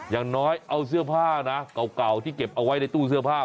อย่างน้อยเอาเสื้อผ้านะเก่าที่เก็บเอาไว้ในตู้เสื้อผ้า